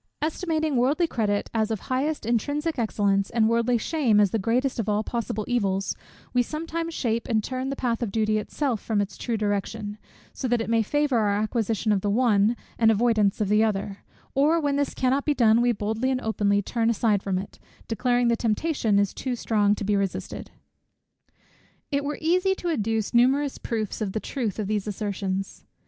Estimating worldly credit as of the highest intrinsic excellence, and worldly shame as the greatest of all possible evils, we sometimes shape and turn the path of duty itself from its true direction, so as it may favour our acquisition of the one, and avoidance of the other; or when this cannot be done, we boldly and openly turn aside from it, declaring the temptation is too strong to be resisted. It were easy to adduce numerous proofs of the truth of these assertions.